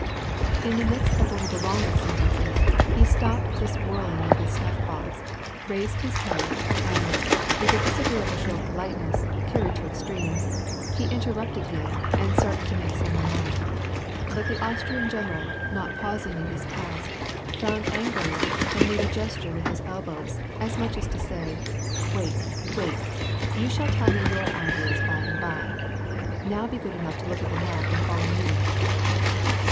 In the midst of one of the longest sentences, he stopped this whirling of his snuff box, raised his head, and, with a disagreeable show of polite ness, carried to extremes, he interrupted him, and started to make some remark ; but the Austrian general, not pausing in his task, frowned angrily, and made a gesture with his elbows, as much as to say ;" Wait, wait, you shall tell me your ideas by and by ; now be good enough to look at the map and fol low me